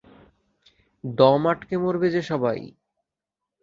দম আটকে মরবে যে সবাই।